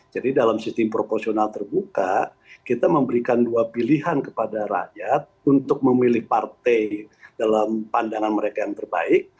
jadi dalam sistem proporsional terbuka kita memberikan dua pilihan kepada rakyat untuk memilih partai dalam pandangan mereka yang terbaik